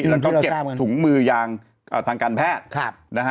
แล้วก็เก็บถุงมือยางทางการแพทย์นะฮะ